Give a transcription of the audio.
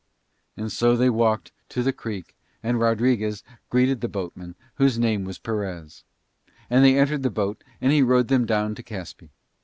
And so they walked to the creek and Rodriguez greeted the boatman, whose name was Perez; and they entered the boat and he rowed them down to Caspe.